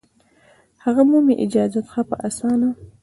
هغه مومي اجازت ښه په اسانه